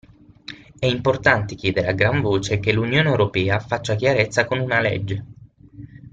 È importante chiedere a gran voce che l'Unione Europea faccia chiarezza con una legge.